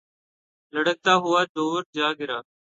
لڑھکتا ہوا دور جا گرا